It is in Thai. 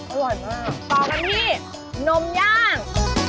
ต่อกันที่นมย่าง